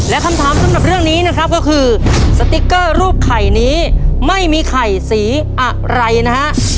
และคำถามสำหรับเรื่องนี้นะครับก็คือสติ๊กเกอร์รูปไข่นี้ไม่มีไข่สีอะไรนะฮะ